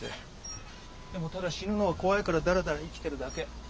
でもただ死ぬのが怖いからだらだら生きてるだけ。